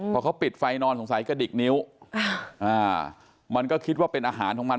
พอเขาปิดไฟนอนสงสัยกระดิกนิ้วมันก็คิดว่าเป็นอาหารของมัน